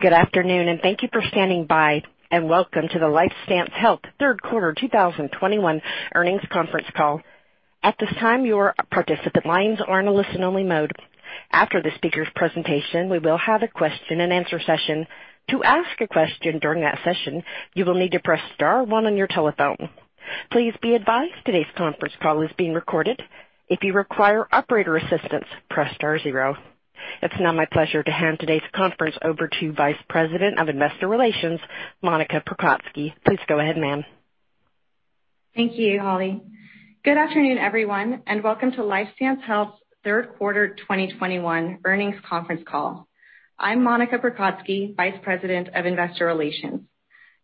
Good afternoon, and thank you for standing by, and welcome to the LifeStance Health Third Quarter 2021 Earnings Conference Call. At this time, your participant lines are in a listen-only mode. After the speaker's presentation, we will have a question-and-answer session. To ask a question during that session, you will need to press star one on your telephone. Please be advised today's conference call is being recorded. If you require operator assistance, press star zero. It's now my pleasure to hand today's conference over to Vice President of Investor Relations, Monica Prokocki. Please go ahead, ma'am. Thank you, Holly. Good afternoon, everyone, and welcome to LifeStance Health's third quarter 2021 earnings conference call. I'm Monica Prokocki, Vice President of Investor Relations.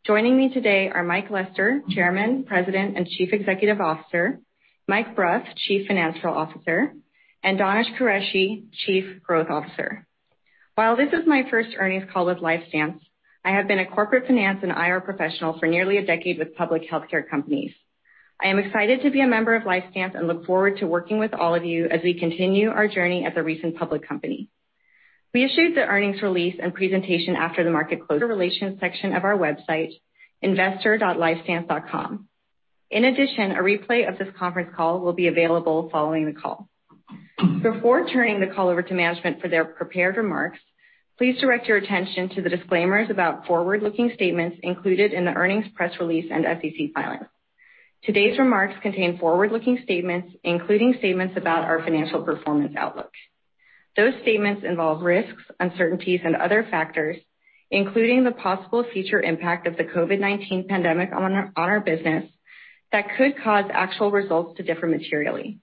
Joining me today are Mike Lester, Chairman, President, and Chief Executive Officer, Mike Bruff, Chief Financial Officer, and Danish Qureshi, Chief Growth Officer. While this is my first earnings call with LifeStance, I have been a corporate finance and IR professional for nearly a decade with public healthcare companies. I am excited to be a member of LifeStance and look forward to working with all of you as we continue our journey as a recent public company. We issued the earnings release and presentation after the market close in the Investor Relations section of our website, investor.lifestance.com. In addition, a replay of this conference call will be available following the call. Before turning the call over to management for their prepared remarks, please direct your attention to the disclaimers about forward-looking statements included in the earnings press release and SEC filing. Today's remarks contain forward-looking statements, including statements about our financial performance outlook. Those statements involve risks, uncertainties, and other factors, including the possible future impact of the COVID-19 pandemic on our business that could cause actual results to differ materially.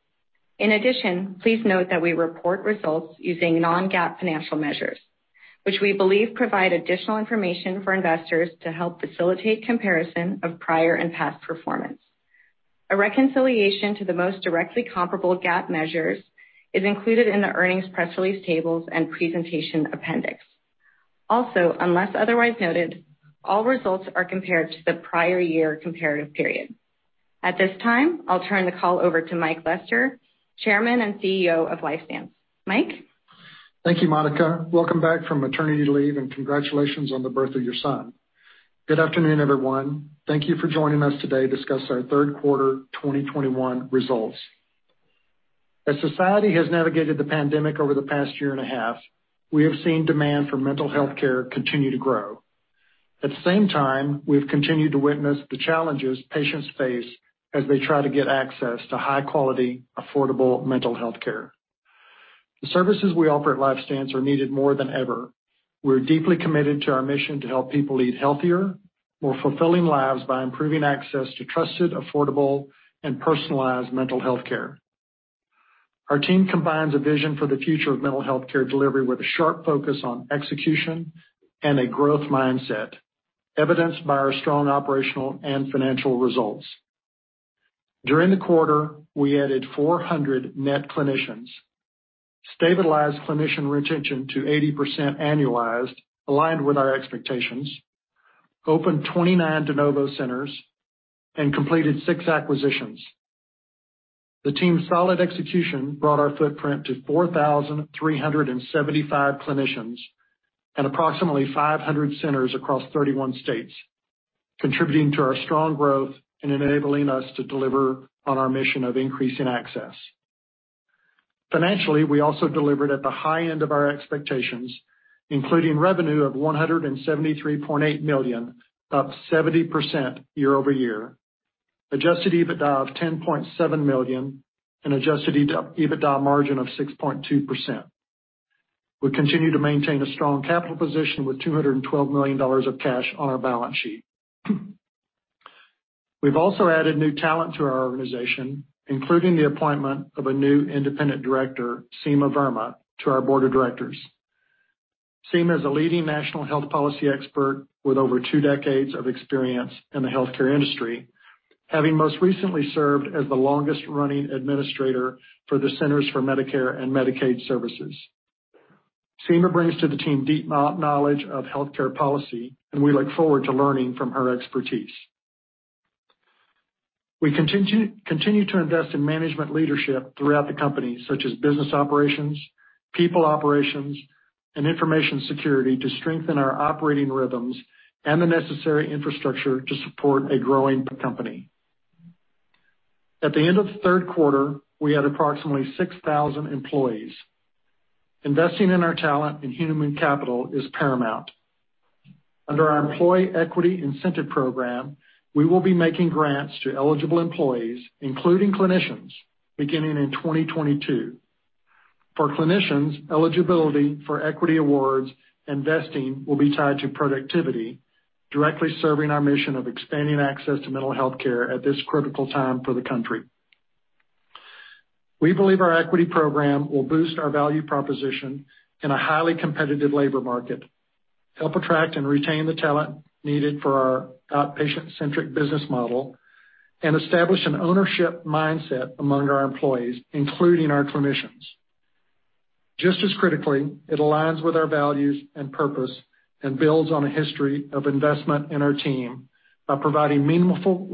In addition, please note that we report results using non-GAAP financial measures, which we believe provide additional information for investors to help facilitate comparison of prior and past performance. A reconciliation to the most directly comparable GAAP measures is included in the earnings press release tables and presentation appendix. Also, unless otherwise noted, all results are compared to the prior year comparative period. At this time, I'll turn the call over to Mike Lester, Chairman and CEO of LifeStance. Mike? Thank you, Monica. Welcome back from maternity leave and congratulations on the birth of your son. Good afternoon, everyone. Thank you for joining us today to discuss our third quarter 2021 results. As society has navigated the pandemic over the past year and a half, we have seen demand for mental health care continue to grow. At the same time, we've continued to witness the challenges patients face as they try to get access to high quality, affordable mental health care. The services we offer at LifeStance are needed more than ever. We're deeply committed to our mission to help people lead healthier, more fulfilling lives by improving access to trusted, affordable, and personalized mental health care. Our team combines a vision for the future of mental health care delivery with a sharp focus on execution and a growth mindset, evidenced by our strong operational and financial results. During the quarter, we added 400 net clinicians, stabilized clinician retention to 80% annualized, aligned with our expectations, opened 29 de novo centers, and completed six acquisitions. The team's solid execution brought our footprint to 4,375 clinicians and approximately 500 centers across 31 states, contributing to our strong growth and enabling us to deliver on our mission of increasing access. Financially, we also delivered at the high end of our expectations, including revenue of $173.8 million, up 70% year-over-year, adjusted EBITDA of $10.7 million, and adjusted EBITDA margin of 6.2%. We continue to maintain a strong capital position with $212 million of cash on our balance sheet. We've also added new talent to our organization, including the appointment of a new independent director, Seema Verma, to our board of directors. Seema is a leading national health policy expert with over two decades of experience in the healthcare industry, having most recently served as the longest-running administrator for the Centers for Medicare & Medicaid Services. Seema brings to the team deep knowledge of healthcare policy, and we look forward to learning from her expertise. We continue to invest in management leadership throughout the company, such as business operations, people operations, and information security, to strengthen our operating rhythms and the necessary infrastructure to support a growing company. At the end of the third quarter, we had approximately 6,000 employees. Investing in our talent and human capital is paramount. Under our employee equity incentive program, we will be making grants to eligible employees, including clinicians, beginning in 2022. For clinicians, eligibility for equity awards and vesting will be tied to productivity, directly serving our mission of expanding access to mental health care at this critical time for the country. We believe our equity program will boost our value proposition in a highly competitive labor market, help attract and retain the talent needed for our outpatient-centric business model, and establish an ownership mindset among our employees, including our clinicians. Just as critically, it aligns with our values and purpose, builds on a history of investment in our team by providing meaningful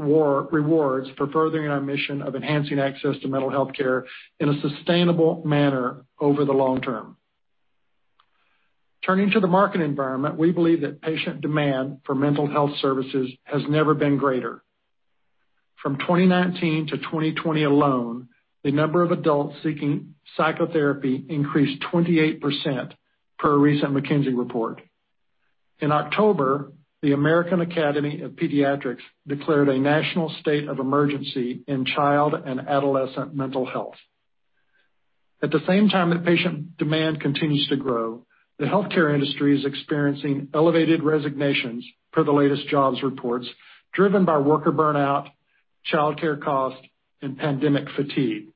rewards for furthering our mission of enhancing access to mental health care in a sustainable manner over the long term. Turning to the market environment, we believe that patient demand for mental health services has never been greater. From 2019 to 2020 alone, the number of adults seeking psychotherapy increased 28% per a recent McKinsey report. In October, the American Academy of Pediatrics declared a national state of emergency in child and adolescent mental health. At the same time that patient demand continues to grow, the healthcare industry is experiencing elevated resignations per the latest jobs reports, driven by worker burnout, childcare costs, and pandemic fatigue.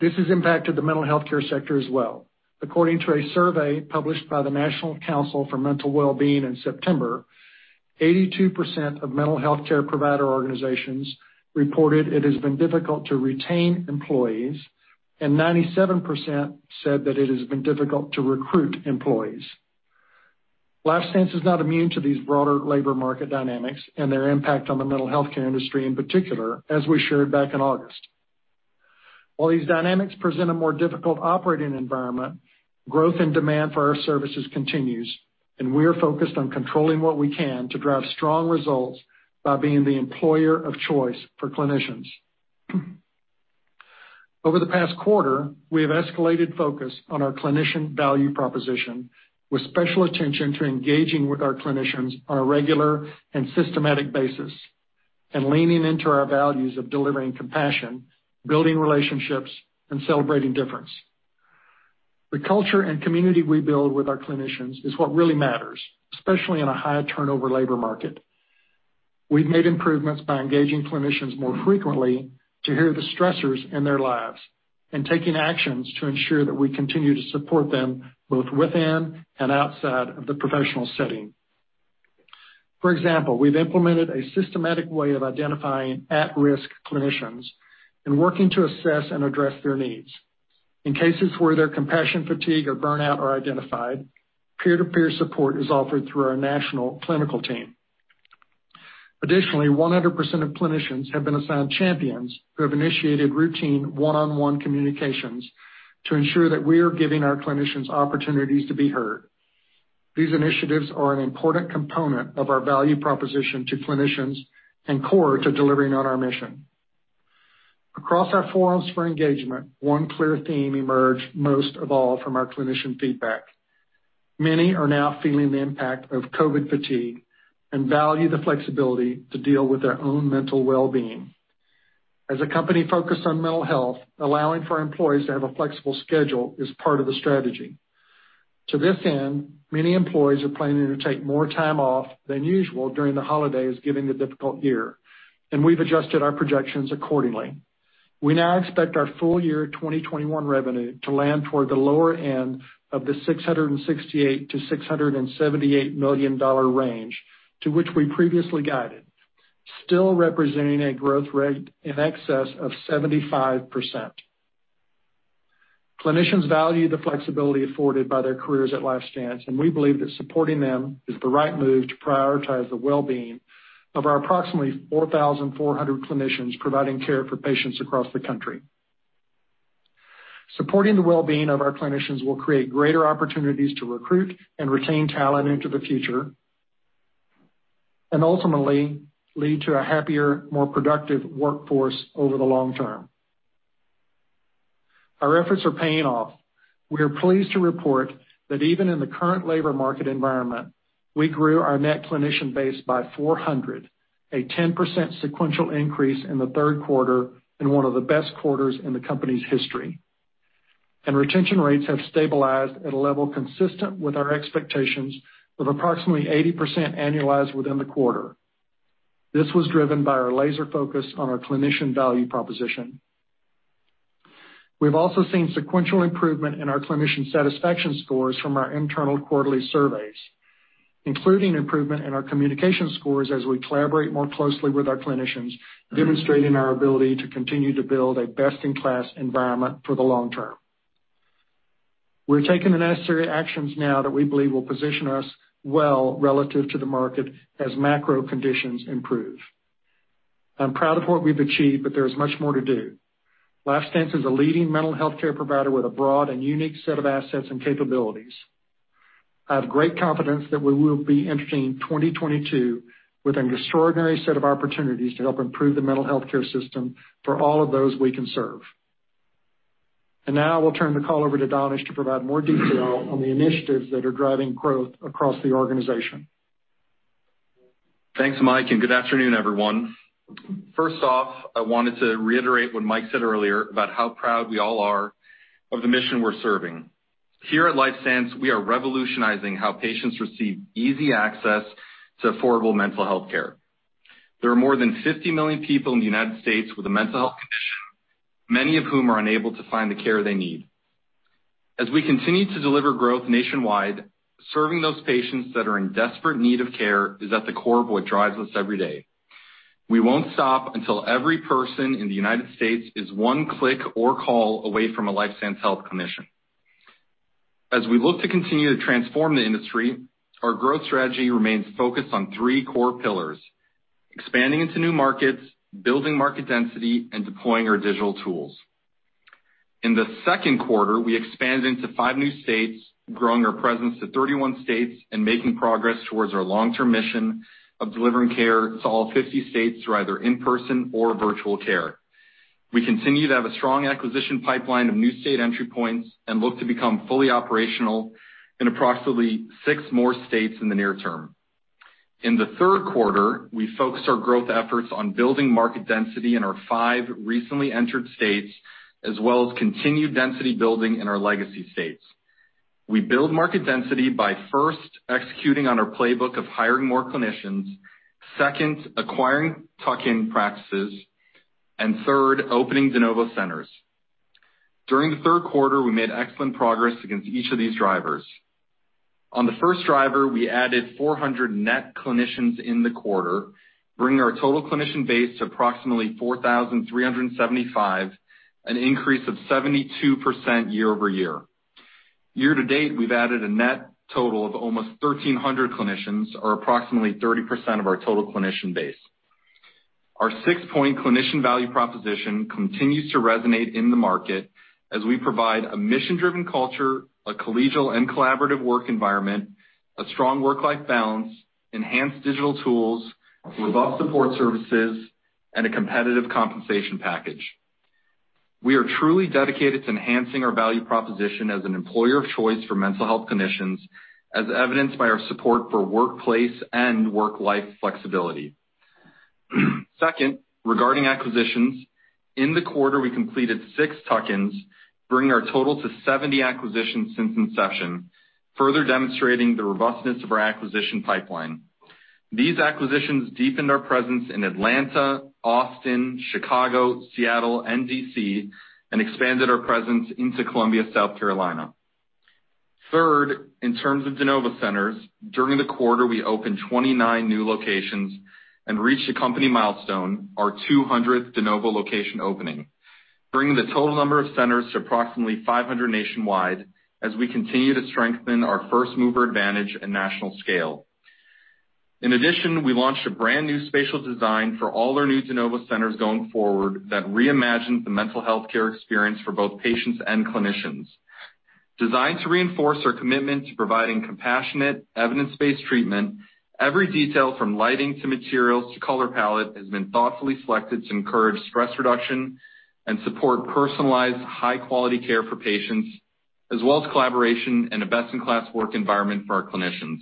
This has impacted the mental healthcare sector as well. According to a survey published by the National Council for Mental Wellbeing in September, 82% of mental healthcare provider organizations reported it has been difficult to retain employees, and 97% said that it has been difficult to recruit employees. LifeStance is not immune to these broader labor market dynamics and their impact on the mental healthcare industry, in particular, as we shared back in August. While these dynamics present a more difficult operating environment, growth and demand for our services continues, and we are focused on controlling what we can to drive strong results by being the employer of choice for clinicians. Over the past quarter, we have escalated focus on our clinician value proposition, with special attention to engaging with our clinicians on a regular and systematic basis and leaning into our values of delivering compassion, building relationships, and celebrating difference. The culture and community we build with our clinicians is what really matters, especially in a high-turnover labor market. We've made improvements by engaging clinicians more frequently to hear the stressors in their lives and taking actions to ensure that we continue to support them both within and outside of the professional setting. For example, we've implemented a systematic way of identifying at-risk clinicians and working to assess and address their needs. In cases where their compassion fatigue or burnout are identified, peer-to-peer support is offered through our national clinical team. Additionally, 100% of clinicians have been assigned champions who have initiated routine one-on-one communications to ensure that we are giving our clinicians opportunities to be heard. These initiatives are an important component of our value proposition to clinicians and core to delivering on our mission. Across our forums for engagement, one clear theme emerged most of all from our clinician feedback. Many are now feeling the impact of COVID fatigue and value the flexibility to deal with their own mental wellbeing. As a company focused on mental health, allowing for employees to have a flexible schedule is part of the strategy. To this end, many employees are planning to take more time off than usual during the holidays, given the difficult year, and we've adjusted our projections accordingly. We now expect our full year 2021 revenue to land toward the lower end of the $668 million-$678 million range to which we previously guided, still representing a growth rate in excess of 75%. Clinicians value the flexibility afforded by their careers at LifeStance, and we believe that supporting them is the right move to prioritize the wellbeing of our approximately 4,400 clinicians providing care for patients across the country. Supporting the wellbeing of our clinicians will create greater opportunities to recruit and retain talent into the future and ultimately lead to a happier, more productive workforce over the long term. Our efforts are paying off. We are pleased to report that even in the current labor market environment, we grew our net clinician base by 400, a 10% sequential increase in the third quarter and one of the best quarters in the company's history. Retention rates have stabilized at a level consistent with our expectations of approximately 80% annualized within the quarter. This was driven by our laser focus on our clinician value proposition. We've also seen sequential improvement in our clinician satisfaction scores from our internal quarterly surveys, including improvement in our communication scores as we collaborate more closely with our clinicians, demonstrating our ability to continue to build a best-in-class environment for the long term. We're taking the necessary actions now that we believe will position us well relative to the market as macro conditions improve. I'm proud of what we've achieved, but there is much more to do. LifeStance is a leading mental healthcare provider with a broad and unique set of assets and capabilities. I have great confidence that we will be entering 2022 with an extraordinary set of opportunities to help improve the mental healthcare system for all of those we can serve. Now I will turn the call over to Danish to provide more detail on the initiatives that are driving growth across the organization. Thanks, Mike, and good afternoon, everyone. First off, I wanted to reiterate what Mike said earlier about how proud we all are of the mission we're serving. Here at LifeStance, we are revolutionizing how patients receive easy access to affordable mental health care. There are more than 50 million people in the United States with a mental health condition, many of whom are unable to find the care they need. As we continue to deliver growth nationwide, serving those patients that are in desperate need of care is at the core of what drives us every day. We won't stop until every person in the United States is one click or call away from a LifeStance Health clinician. As we look to continue to transform the industry, our growth strategy remains focused on three core pillars, expanding into new markets, building market density, and deploying our digital tools. In the second quarter, we expanded into five new states, growing our presence to 31 states and making progress towards our long-term mission of delivering care to all 50 states through either in-person or virtual care. We continue to have a strong acquisition pipeline of new state entry points and look to become fully operational in approximately 6 more states in the near term. In the third quarter, we focused our growth efforts on building market density in our five recently entered states, as well as continued density building in our legacy states. We build market density by first executing on our playbook of hiring more clinicians, second, acquiring tuck-in practices, and third, opening de novo centers. During the third quarter, we made excellent progress against each of these drivers. On the first driver, we added 400 net clinicians in the quarter, bringing our total clinician base to approximately 4,375, an increase of 72% year-over-year. Year to date, we've added a net total of almost 1,300 clinicians, or approximately 30% of our total clinician base. Our six-point clinician value proposition continues to resonate in the market as we provide a mission-driven culture, a collegial and collaborative work environment, a strong work-life balance, enhanced digital tools, robust support services, and a competitive compensation package. We are truly dedicated to enhancing our value proposition as an employer of choice for mental health clinicians, as evidenced by our support for workplace and work-life flexibility. Second, regarding acquisitions, in the quarter, we completed six tuck-ins, bringing our total to 70 acquisitions since inception, further demonstrating the robustness of our acquisition pipeline. These acquisitions deepened our presence in Atlanta, Austin, Chicago, Seattle, and D.C., and expanded our presence into Columbia, South Carolina. Third, in terms of de novo centers, during the quarter, we opened 29 new locations and reached a company milestone, our 200th de novo location opening, bringing the total number of centers to approximately 500 nationwide as we continue to strengthen our first-mover advantage and national scale. In addition, we launched a brand-new spatial design for all our new de novo centers going forward that reimagines the mental healthcare experience for both patients and clinicians. Designed to reinforce our commitment to providing compassionate, evidence-based treatment, every detail, from lighting to materials to color palette, has been thoughtfully selected to encourage stress reduction and support personalized, high-quality care for patients, as well as collaboration and a best-in-class work environment for our clinicians.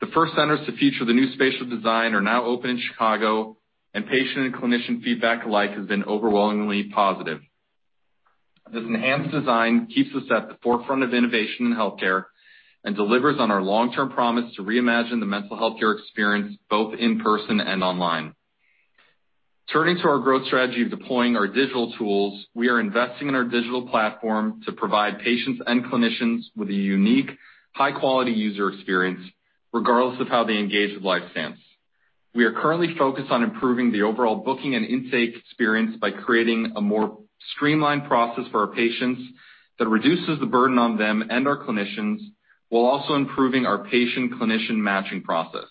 The first centers to feature the new spatial design are now open in Chicago, and patient and clinician feedback alike has been overwhelmingly positive. This enhanced design keeps us at the forefront of innovation in healthcare and delivers on our long-term promise to reimagine the mental healthcare experience, both in person and online. Turning to our growth strategy of deploying our digital tools, we are investing in our digital platform to provide patients and clinicians with a unique, high-quality user experience regardless of how they engage with LifeStance. We are currently focused on improving the overall booking and intake experience by creating a more streamlined process for our patients that reduces the burden on them and our clinicians while also improving our patient-clinician matching process.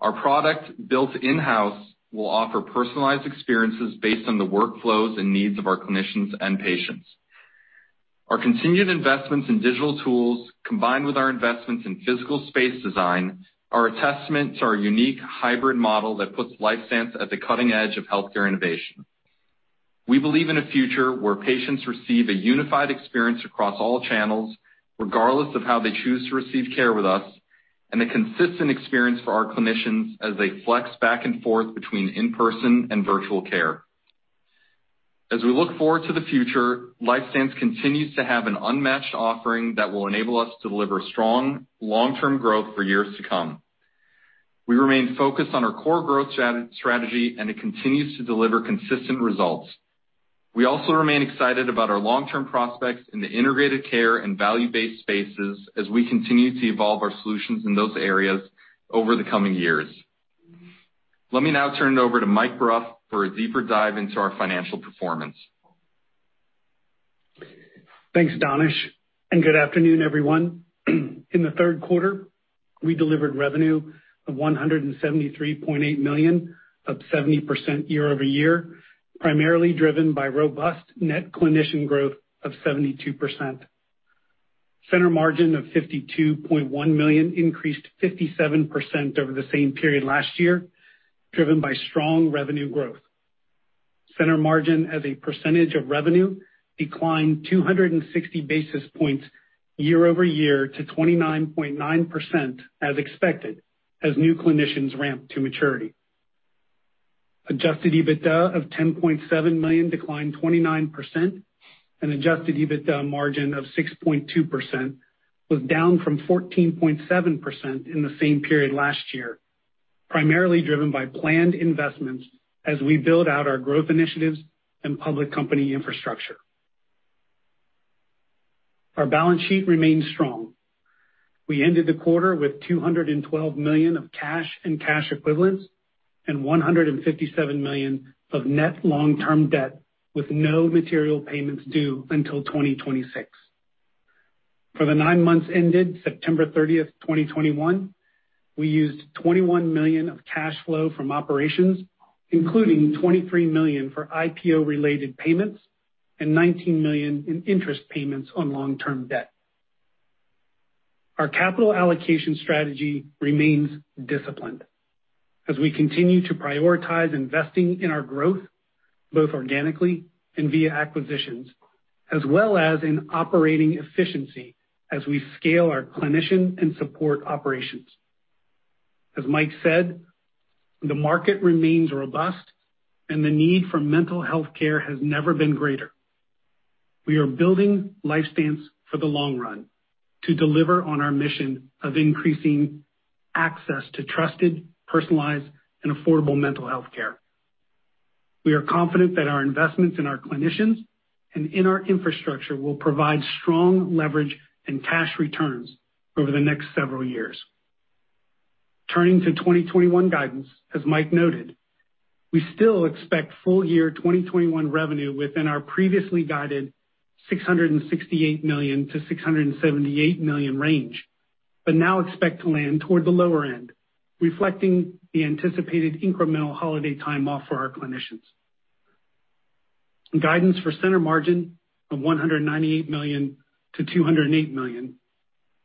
Our product, built in-house, will offer personalized experiences based on the workflows and needs of our clinicians and patients. Our continued investments in digital tools, combined with our investments in physical space design, are a testament to our unique hybrid model that puts LifeStance at the cutting edge of healthcare innovation. We believe in a future where patients receive a unified experience across all channels, regardless of how they choose to receive care with us, and a consistent experience for our clinicians as they flex back and forth between in-person and virtual care. As we look forward to the future, LifeStance continues to have an unmatched offering that will enable us to deliver strong long-term growth for years to come. We remain focused on our core growth strategy, and it continues to deliver consistent results. We also remain excited about our long-term prospects in the integrated care and value-based spaces as we continue to evolve our solutions in those areas over the coming years. Let me now turn it over to Mike Bruff for a deeper dive into our financial performance. Thanks, Danish, and good afternoon, everyone. In the third quarter, we delivered revenue of $173.8 million, up 70% year-over-year, primarily driven by robust net clinician growth of 72%. Center margin of $52.1 million increased 57% over the same period last year, driven by strong revenue growth. Center margin as a percentage of revenue declined 260 basis points year-over-year to 29.9% as expected as new clinicians ramped to maturity. Adjusted EBITDA of $10.7 million declined 29% and adjusted EBITDA margin of 6.2% was down from 14.7% in the same period last year, primarily driven by planned investments as we build out our growth initiatives and public company infrastructure. Our balance sheet remains strong. We ended the quarter with $212 million of cash and cash equivalents and $157 million of net long-term debt, with no material payments due until 2026. For the nine months ended September 30, 2021, we used $21 million of cash flow from operations, including $23 million for IPO-related payments and $19 million in interest payments on long-term debt. Our capital allocation strategy remains disciplined as we continue to prioritize investing in our growth, both organically and via acquisitions, as well as in operating efficiency as we scale our clinician and support operations. As Mike said, the market remains robust, and the need for mental health care has never been greater. We are building LifeStance for the long run to deliver on our mission of increasing access to trusted, personalized, and affordable mental health care. We are confident that our investments in our clinicians and in our infrastructure will provide strong leverage and cash returns over the next several years. Turning to 2021 guidance, as Mike noted, we still expect full year 2021 revenue within our previously guided $668 million-$678 million range, but now expect to land toward the lower end, reflecting the anticipated incremental holiday time off for our clinicians. Guidance for center margin of $198 million-$208 million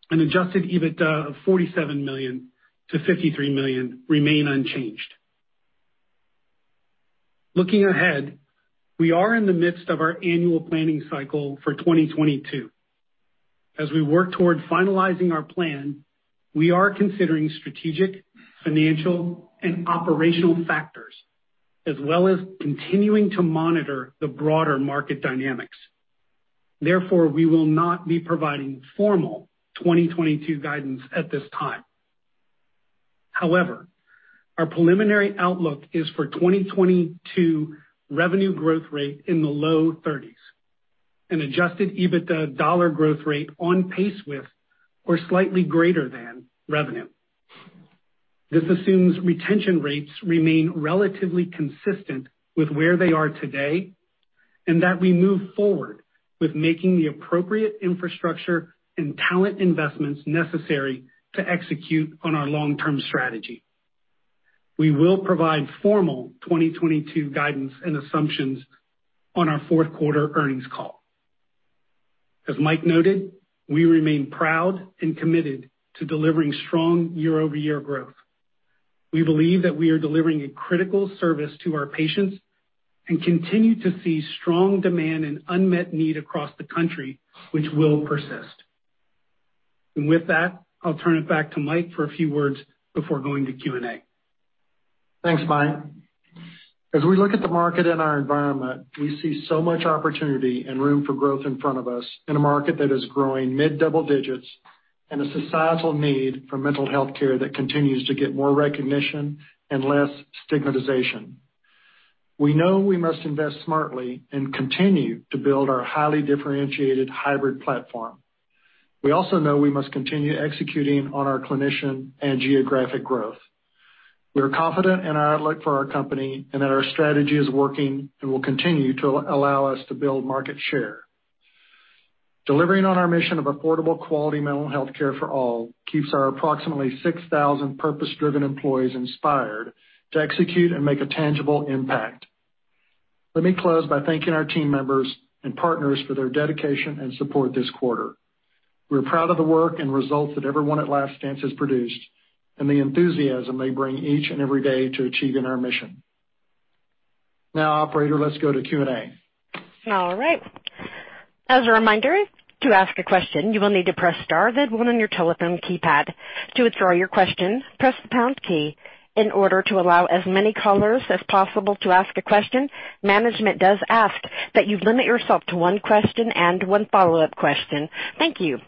and adjusted EBITDA of $47 million-$53 million remain unchanged. Looking ahead, we are in the midst of our annual planning cycle for 2022. As we work toward finalizing our plan, we are considering strategic, financial, and operational factors, as well as continuing to monitor the broader market dynamics. Therefore, we will not be providing formal 2022 guidance at this time. However, our preliminary outlook is for 2022 revenue growth rate in the low 30s%, an adjusted EBITDA dollar growth rate on pace with or slightly greater than revenue. This assumes retention rates remain relatively consistent with where they are today, and that we move forward with making the appropriate infrastructure and talent investments necessary to execute on our long-term strategy. We will provide formal 2022 guidance and assumptions on our fourth quarter earnings call. As Mike noted, we remain proud and committed to delivering strong year-over-year growth. We believe that we are delivering a critical service to our patients and continue to see strong demand and unmet need across the country, which will persist. With that, I'll turn it back to Mike for a few words before going to Q&A. Thanks, Mike. As we look at the market and our environment, we see so much opportunity and room for growth in front of us in a market that is growing mid-double digits and a societal need for mental health care that continues to get more recognition and less stigmatization. We know we must invest smartly and continue to build our highly differentiated hybrid platform. We also know we must continue executing on our clinician and geographic growth. We are confident in our outlook for our company and that our strategy is working and will continue to allow us to build market share. Delivering on our mission of affordable, quality mental health care for all keeps our approximately 6,000 purpose-driven employees inspired to execute and make a tangible impact. Let me close by thanking our team members and partners for their dedication and support this quarter. We're proud of the work and results that everyone at LifeStance has produced and the enthusiasm they bring each and every day to achieving our mission. Now, operator, let's go to Q&A. All right. As a reminder, to ask a question, you will need to press star, then one on your telephone keypad. To withdraw your question, press the pound key. In order to allow as many callers as possible to ask a question, management does ask that you limit yourself to one question and one follow-up question. Thank you.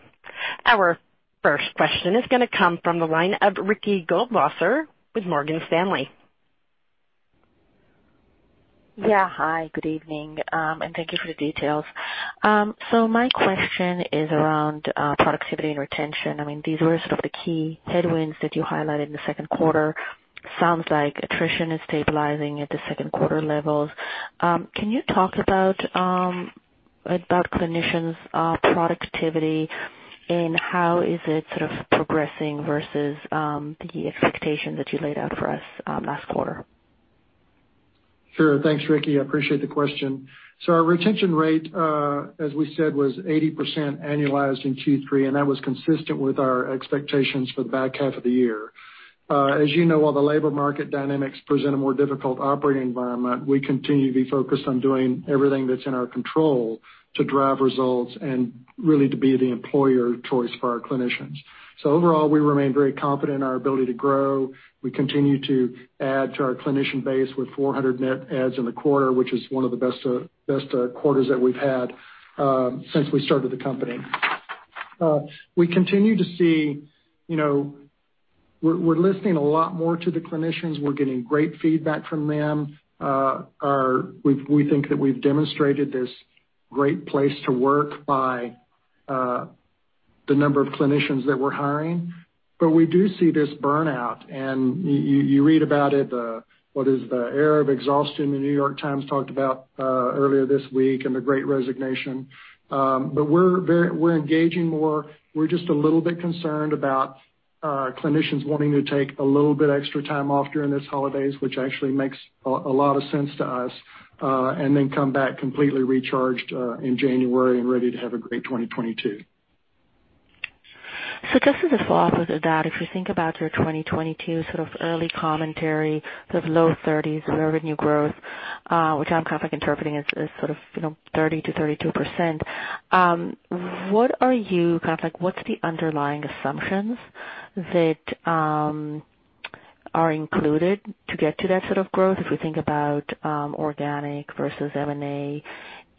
Our first question is gonna come from the line of Ricky Goldwasser with Morgan Stanley. Yeah. Hi, good evening, and thank you for the details. My question is around productivity and retention. I mean, these were sort of the key headwinds that you highlighted in the second quarter. Sounds like attrition is stabilizing at the second quarter levels. Can you talk about clinicians productivity, and how is it sort of progressing versus the expectation that you laid out for us last quarter? Sure. Thanks, Ricky. I appreciate the question. Our retention rate, as we said, was 80% annualized in Q3, and that was consistent with our expectations for the back half of the year. As you know, while the labor market dynamics present a more difficult operating environment, we continue to be focused on doing everything that's in our control to drive results and really to be the employer of choice for our clinicians. Overall, we remain very confident in our ability to grow. We continue to add to our clinician base with 400 net adds in the quarter, which is one of the best quarters that we've had since we started the company. We continue to see. We're listening a lot more to the clinicians. We're getting great feedback from them. We think that we've demonstrated this great place to work by the number of clinicians that we're hiring. We do see this burnout, and you read about it, what is the era of exhaustion The New York Times talked about earlier this week and the great resignation. We're engaging more. We're just a little bit concerned about clinicians wanting to take a little bit extra time off during this holidays, which actually makes a lot of sense to us, and then come back completely recharged in January and ready to have a great 2022. Just as a follow-up with that, if you think about your 2022 sort of early commentary, sort of low thirties revenue growth, which I'm kind of interpreting as sort of, you know, 30%-32%, what's the underlying assumptions that are included to get to that sort of growth if we think about organic versus M&A?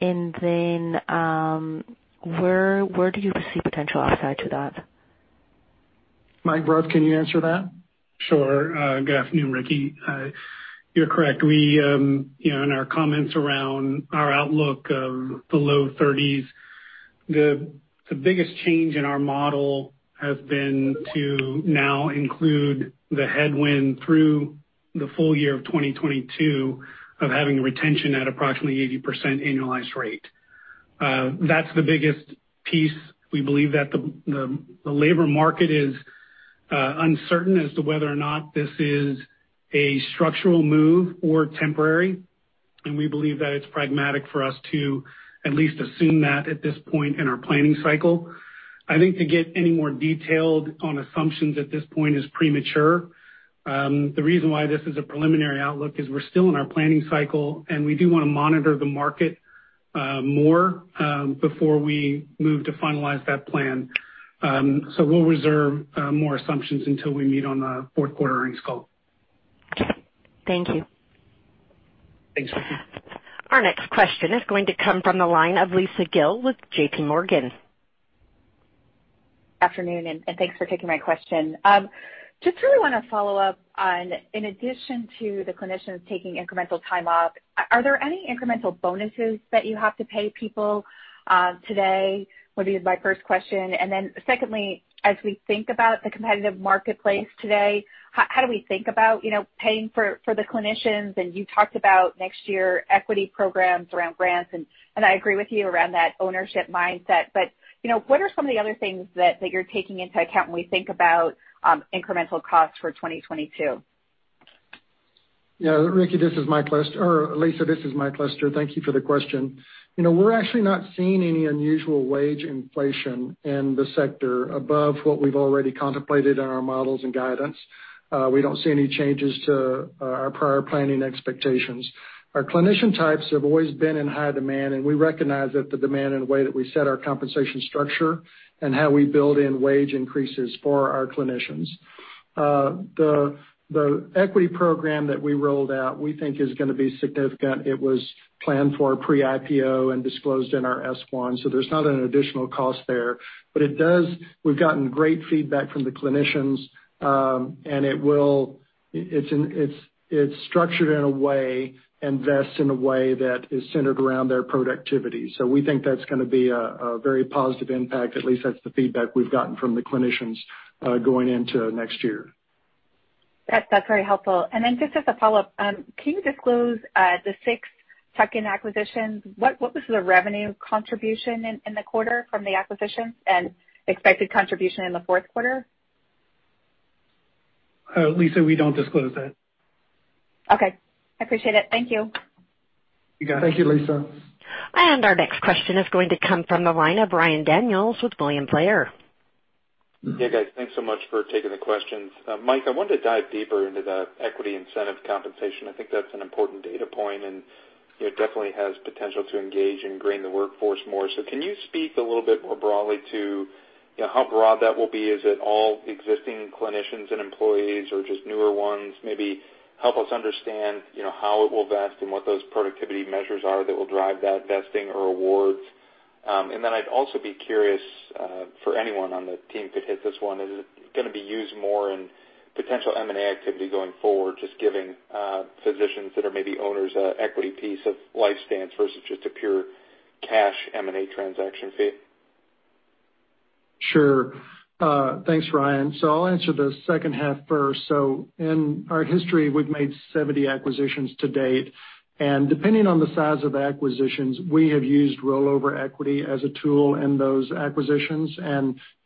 And then, where do you see potential upside to that? Mike Bruff, can you answer that? Sure. Good afternoon, Ricky. You're correct. We, you know, in our comments around our outlook of the low 30s, the biggest change in our model has been to now include the headwind through the full year of 2022 of having retention at approximately 80% annualized rate. That's the biggest piece. We believe that the labor market is uncertain as to whether or not this is a structural move or temporary. We believe that it's pragmatic for us to at least assume that at this point in our planning cycle. I think to get any more detailed on assumptions at this point is premature. The reason why this is a preliminary outlook is we're still in our planning cycle, and we do wanna monitor the market more before we move to finalize that plan. We'll reserve more assumptions until we meet on the fourth quarter earnings call. Okay. Thank you. Thanks, Ricky. Our next question is going to come from the line of Lisa Gill with JPMorgan. afternoon, and thanks for taking my question. Just really wanna follow up on, in addition to the clinicians taking incremental time off, are there any incremental bonuses that you have to pay people, today? Would be my first question. Then secondly, as we think about the competitive marketplace today, how do we think about, you know, paying for the clinicians? You talked about next year equity programs around grants, and I agree with you around that ownership mindset. You know, what are some of the other things that you're taking into account when we think about incremental costs for 2022? Yeah. Lisa, this is Mike Lester. Thank you for the question. You know, we're actually not seeing any unusual wage inflation in the sector above what we've already contemplated in our models and guidance. We don't see any changes to our prior planning expectations. Our clinician types have always been in high demand, and we recognize that the demand in the way that we set our compensation structure and how we build in wage increases for our clinicians. The equity program that we rolled out, we think is gonna be significant. It was planned for pre-IPO and disclosed in our S-1, so there's not an additional cost there. We've gotten great feedback from the clinicians, and it's structured in a way and vests in a way that is centered around their productivity. We think that's gonna be a very positive impact. At least that's the feedback we've gotten from the clinicians, going into next year. That's very helpful. Just as a follow-up, can you disclose the six tuck-in acquisitions? What was the revenue contribution in the quarter from the acquisitions and expected contribution in the fourth quarter? Lisa, we don't disclose that. Okay. I appreciate it. Thank you. You got it. Thank you, Lisa. Our next question is going to come from the line of Ryan Daniels with William Blair. Yeah, guys. Thanks so much for taking the questions. Mike, I wanted to dive deeper into the equity incentive compensation. I think that's an important data point, and you know, definitely has potential to engage and retain the workforce more. Can you speak a little bit more broadly to, you know, how broad that will be? Is it all existing clinicians and employees or just newer ones? Maybe help us understand, you know, how it will vest and what those productivity measures are that will drive that vesting or awards. And then I'd also be curious, if anyone on the team could hit this one. Is it gonna be used more in potential M&A activity going forward, just giving physicians that are maybe owners a equity piece of LifeStance versus just a pure cash M&A transaction? Sure. Thanks, Ryan. I'll answer the H2 first. In our history, we've made 70 acquisitions to date. Depending on the size of the acquisitions, we have used rollover equity as a tool in those acquisitions. You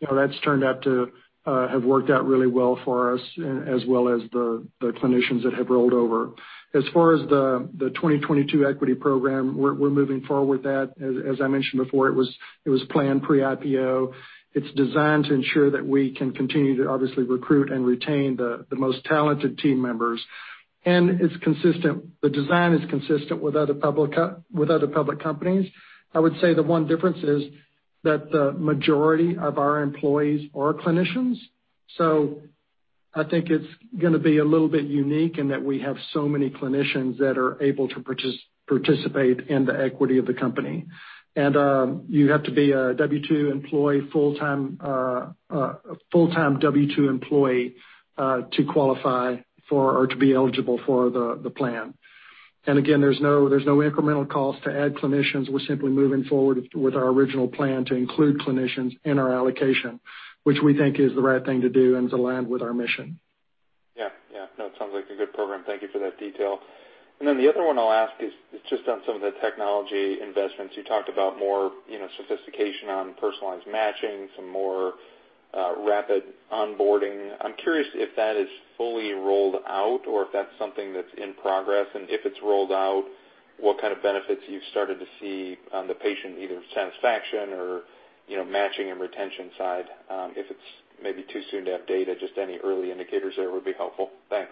know, that's turned out to have worked out really well for us, as well as the clinicians that have rolled over. As far as the 2022 equity program, we're moving forward with that. As I mentioned before, it was planned pre-IPO. It's designed to ensure that we can continue to obviously recruit and retain the most talented team members. It's consistent, the design is consistent with other public companies. I would say the one difference is that the majority of our employees are clinicians. I think it's gonna be a little bit unique in that we have so many clinicians that are able to participate in the equity of the company. You have to be a full-time W-2 employee to qualify for or to be eligible for the plan. Again, there's no incremental cost to add clinicians. We're simply moving forward with our original plan to include clinicians in our allocation, which we think is the right thing to do and to land with our mission. Yeah. Yeah. No, it sounds like a good program. Thank you for that detail. The other one I'll ask is just on some of the technology investments. You talked about more, you know, sophistication on personalized matching, some more, rapid onboarding. I'm curious if that is fully rolled out or if that's something that's in progress. If it's rolled out, what kind of benefits you've started to see on the patient, either satisfaction or, you know, matching and retention side, if it's maybe too soon to have data, just any early indicators there would be helpful. Thanks.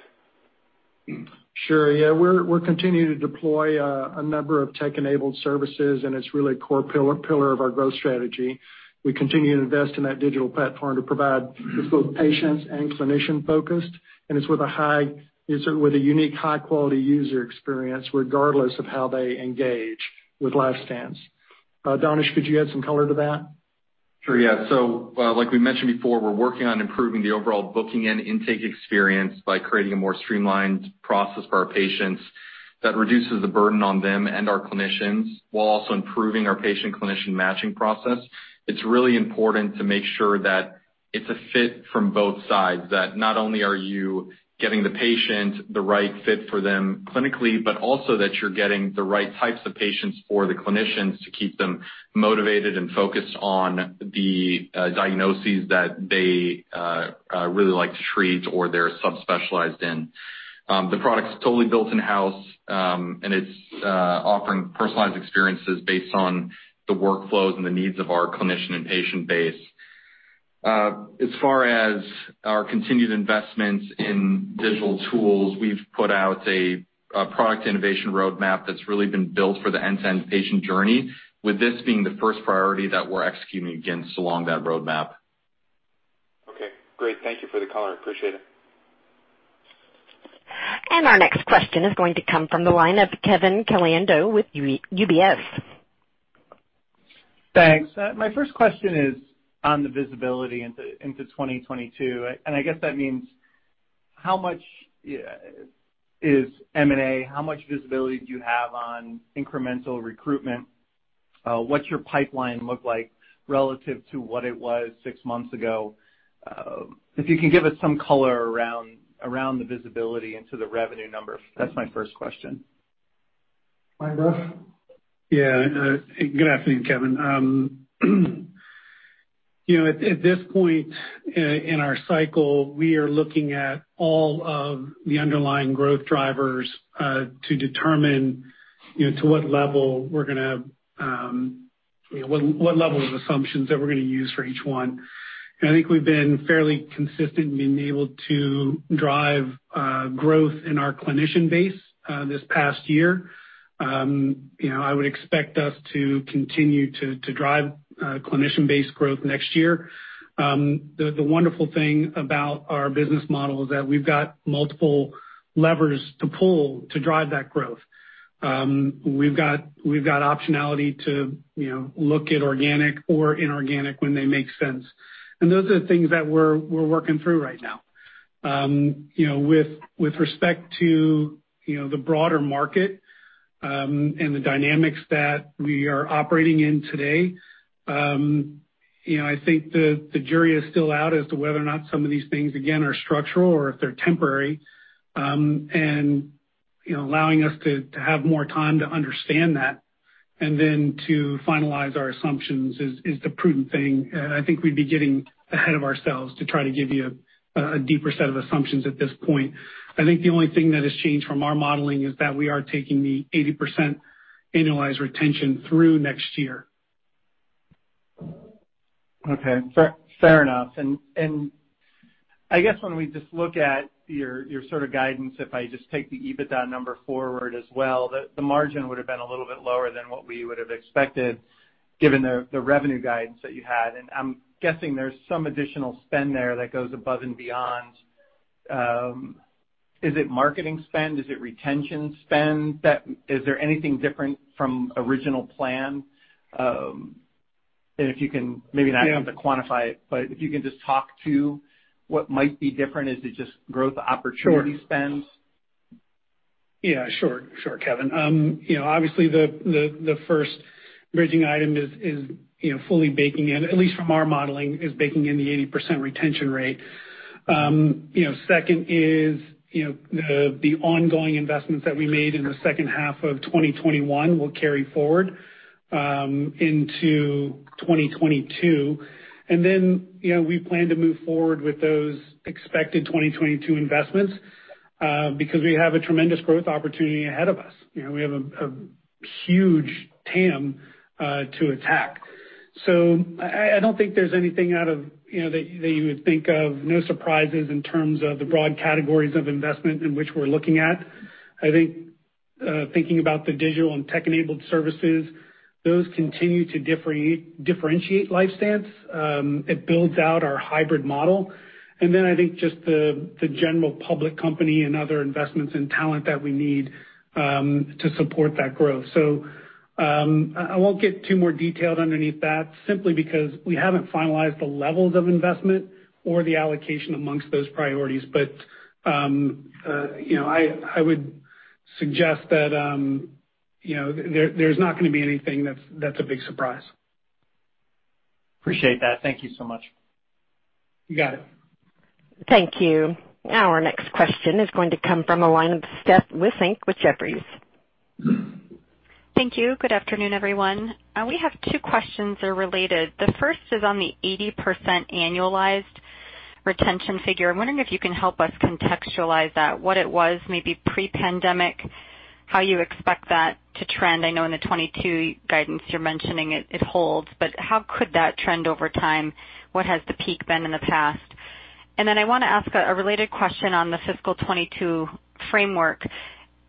Sure. Yeah. We're continuing to deploy a number of tech-enabled services, and it's really a core pillar of our growth strategy. We continue to invest in that digital platform to provide. It's both patients and clinician-focused, and it's with a unique high-quality user experience, regardless of how they engage with LifeStance. Danish, could you add some color to that? Sure, yeah. Like we mentioned before, we're working on improving the overall booking and intake experience by creating a more streamlined process for our patients that reduces the burden on them and our clinicians while also improving our patient clinician matching process. It's really important to make sure that it's a fit from both sides, that not only are you getting the patient the right fit for them clinically, but also that you're getting the right types of patients for the clinicians to keep them motivated and focused on the diagnoses that they really like to treat or they're sub-specialized in. The product is totally built in-house, and it's offering personalized experiences based on the workflows and the needs of our clinician and patient base. As far as our continued investments in digital tools, we've put out a product innovation roadmap that's really been built for the end-to-end patient journey, with this being the first priority that we're executing against along that roadmap. Okay, great. Thank you for the color. I appreciate it. Our next question is going to come from the line of Kevin Caliendo with UBS. Thanks. My first question is on the visibility into 2022. I guess that means how much is M&A? How much visibility do you have on incremental recruitment? What's your pipeline look like relative to what it was six months ago? If you can give us some color around the visibility into the revenue number. That's my first question. Mike Bruff? Yeah. Good afternoon, Kevin. You know, at this point in our cycle, we are looking at all of the underlying growth drivers to determine to what level we're gonna what level of assumptions that we're gonna use for each one. I think we've been fairly consistent in being able to drive growth in our clinician base this past year. I would expect us to continue to drive clinician base growth next year. The wonderful thing about our business model is that we've got multiple levers to pull to drive that growth. We've got optionality to look at organic or inorganic when they make sense. Those are the things that we're working through right now. You know, with respect to the broader market and the dynamics that we are operating in today, you know, I think the jury is still out as to whether or not some of these things, again, are structural or if they're temporary, and you know, allowing us to have more time to understand that and then to finalize our assumptions is the prudent thing. I think we'd be getting ahead of ourselves to try to give you a deeper set of assumptions at this point. I think the only thing that has changed from our modeling is that we are taking the 80% annualized retention through next year. Okay. Fair enough. I guess when we just look at your sort of guidance, if I just take the EBITDA number forward as well, the margin would have been a little bit lower than what we would have expected given the revenue guidance that you had. I'm guessing there's some additional spend there that goes above and beyond. Is it marketing spend? Is it retention spend? Is there anything different from original plan? If you can, maybe you don't have to quantify it, but if you can just talk to what might be different. Is it just growth opportunity spends? Yeah, sure. Sure, Kevin. You know, obviously the first bridging item is fully baking in, at least from our modeling, the 80% retention rate. You know, second is the ongoing investments that we made in the H2 of 2021 will carry forward into 2022. You know, we plan to move forward with those expected 2022 investments because we have a tremendous growth opportunity ahead of us. You know, we have a huge TAM to attack. I don't think there's anything out of, you know, that you would think of, no surprises in terms of the broad categories of investment in which we're looking at. I think thinking about the digital and tech-enabled services, those continue to differentiate LifeStance. It builds out our hybrid model. I think just the general public company and other investments in talent that we need to support that growth. I won't get too more detailed underneath that simply because we haven't finalized the levels of investment. The allocation among those priorities. You know, I would suggest that, you know, there's not gonna be anything that's a big surprise. Appreciate that. Thank you so much. You got it. Thank you. Now our next question is going to come from the line of Steph Wissink with Jefferies. Thank you. Good afternoon, everyone. We have two questions, they're related. The first is on the 80% annualized retention figure. I'm wondering if you can help us contextualize that, what it was maybe pre-pandemic, how you expect that to trend. I know in the 2022 guidance you're mentioning it holds, but how could that trend over time? What has the peak been in the past? I wanna ask a related question on the fiscal 2022 framework.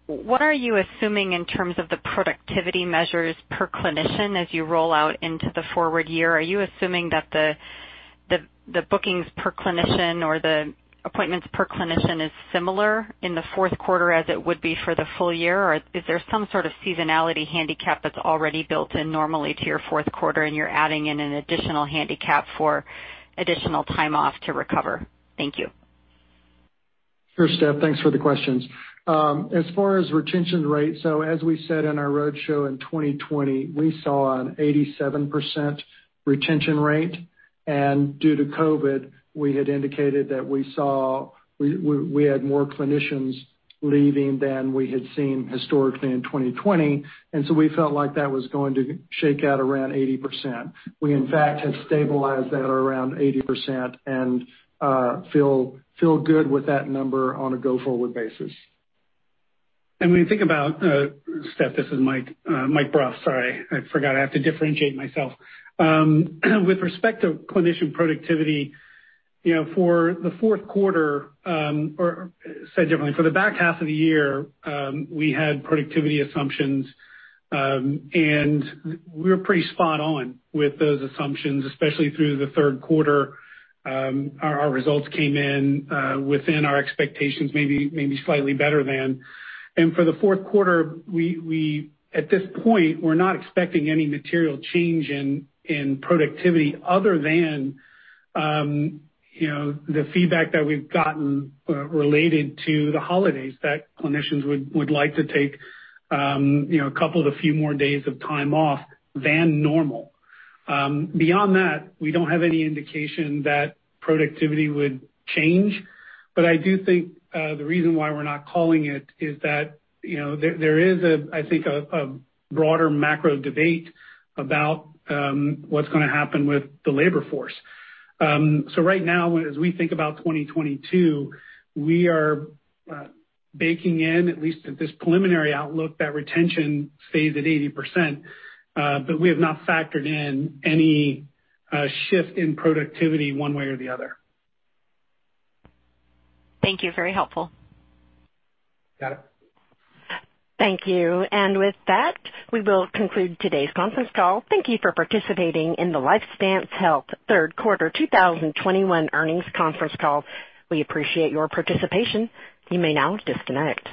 What are you assuming in terms of the productivity measures per clinician as you roll out into the forward year? Are you assuming that the bookings per clinician or the appointments per clinician is similar in the fourth quarter as it would be for the full year? Is there some sort of seasonality handicap that's already built in normally to your fourth quarter and you're adding in an additional handicap for additional time off to recover? Thank you. Sure, Steph. Thanks for the questions. As far as retention rate, so as we said in our roadshow in 2020, we saw an 87% retention rate. Due to COVID, we had indicated we had more clinicians leaving than we had seen historically in 2020, and so we felt like that was going to shake out around 80%. We in fact have stabilized that around 80% and feel good with that number on a go-forward basis. When you think about, Steph, this is Mike Bruff, sorry, I forgot I have to differentiate myself. With respect to clinician productivity, you know, for the fourth quarter, or said differently, for the back half of the year, we had productivity assumptions, and we were pretty spot on with those assumptions, especially through the third quarter, our results came in within our expectations, maybe slightly better than. For the fourth quarter, we, at this point, we're not expecting any material change in productivity other than, you know, the feedback that we've gotten related to the holidays, that clinicians would like to take, you know, a couple to few more days of time off than normal. Beyond that, we don't have any indication that productivity would change. I do think the reason why we're not calling it is that, you know, there is, I think, a broader macro debate about what's gonna happen with the labor force. Right now, as we think about 2022, we are baking in, at least at this preliminary outlook, that retention stays at 80%, but we have not factored in any shift in productivity one way or the other. Thank you. Very helpful. Got it. Thank you. With that, we will conclude today's conference call. Thank you for participating in the LifeStance Health third quarter 2021 earnings conference call. We appreciate your participation. You may now disconnect.